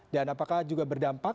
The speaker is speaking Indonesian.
dan apakah juga berdampak